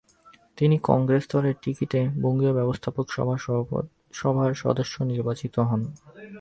তিনি কংগ্রেস দলের টিকিটে বঙ্গীয় ব্যবস্থাপক সভার সদস্য নির্বাচিত হন।